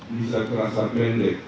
bisa terasa pendek